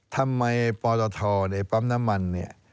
ทำไมปธเนี่ยปั๊มน้ำมันเนี่ย